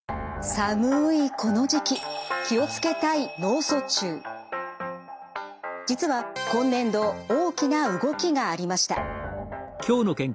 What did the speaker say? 寒いこの時期気を付けたい実は今年度大きな動きがありました。